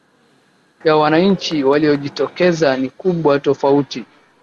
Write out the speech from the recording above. ya wananchi waliojitokeza ni kubwa tofauti